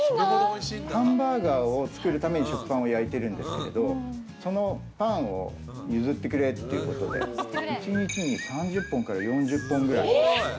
ハンバーガーを作るために食パンを焼いてるんですけど、そのパンを譲ってくれということで、１日に３０本から４０本ぐらい売れる。